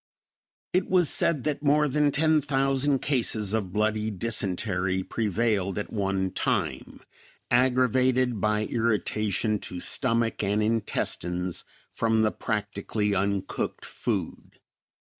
It was said that more than ten thousand cases of bloody dysentery prevailed at one time; aggravated by irritation to stomach and intestines from the practically uncooked food.